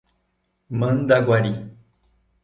Mandaguari